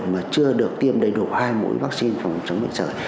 mà chưa được tiêm đầy đủ hai mũi vaccine phòng chống bệnh sởi